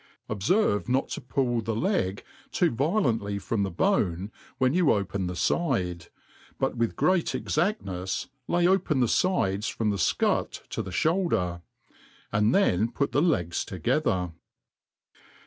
Obfervc not to pGll the fcg' too violently from the bone, when you open the fide, but with great exadnefs lay open the fides from the fcut to the fhoul* dcr ; and then put the Jegs together.